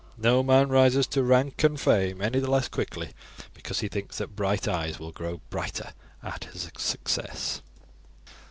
No man rises to rank and fame any the less quickly because he thinks that bright eyes will grow brighter at his success."